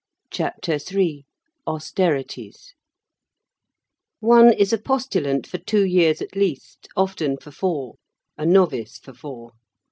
CHAPTER III—AUSTERITIES One is a postulant for two years at least, often for four; a novice for four.